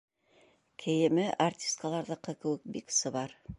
Кейеме артисткаларҙыҡы кеүек бик сыбар.